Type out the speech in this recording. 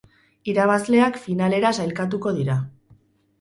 Irabazleak finalera sailkatuko dira.